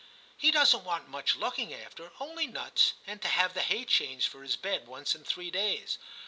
He doesn't want much looking after, — only nuts, and to have the hay changed for his bed once in three days.